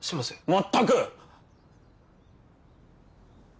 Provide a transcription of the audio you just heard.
まったく。